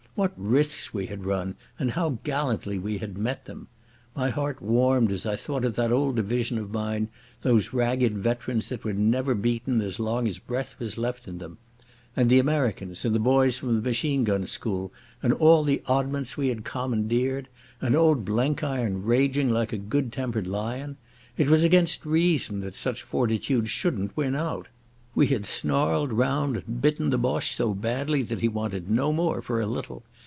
What risks we had run and how gallantly we had met them! My heart warmed as I thought of that old division of mine, those ragged veterans that were never beaten as long as breath was left them. And the Americans and the boys from the machine gun school and all the oddments we had commandeered! And old Blenkiron raging like a good tempered lion! It was against reason that such fortitude shouldn't win out. We had snarled round and bitten the Boche so badly that he wanted no more for a little.